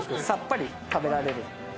さっぱり食べられる。